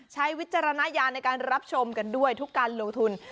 วิจารณญาณในการรับชมกันด้วยทุกการลงทุน